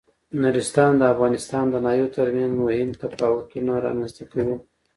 نورستان د افغانستان د ناحیو ترمنځ مهم تفاوتونه رامنځ ته کوي.